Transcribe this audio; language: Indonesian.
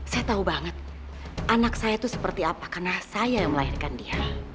saya tahu banget anak saya itu seperti apa karena saya yang melahirkan dia